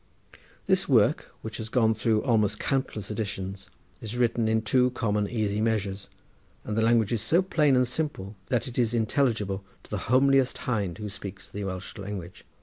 This work, which has gone through almost countless editions, is written in two common easy measures, and the language is so plain and simple that it is intelligible to the homeliest hind who speaks the Welsh language.